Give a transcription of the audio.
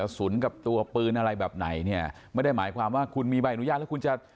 สุนกับตัวปืนอะไรแบบไหนเนี่ยไม่ได้หมายความว่าคุณมีใบอนุญาตแล้วคุณจะ